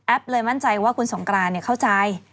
เลยมั่นใจว่าคุณสงกรานเข้าใจ